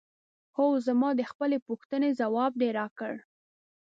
هو زما د خپلې پوښتنې ځواب دې راکړ؟